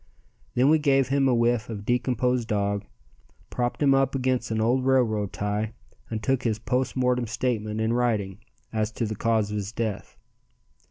Then we gave him a whiff of decomposed dog, propped him up against an old railroad tie and took his post mortem statement in writing as to cause of his death.